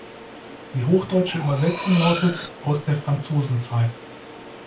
Die hochdeutsche Übersetzung lautet "Aus der Franzosenzeit".